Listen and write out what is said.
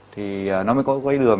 thì nó mới có cái đường